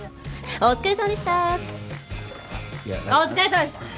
お疲れさまでした！